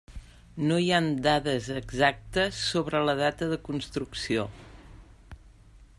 No hi ha dades exactes sobre la data de construcció.